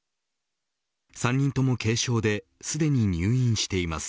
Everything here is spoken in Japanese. ３人とも軽症ですでに入院しています。